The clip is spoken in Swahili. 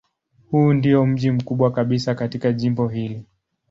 Huu ndiyo mji mkubwa kabisa katika jimbo hili.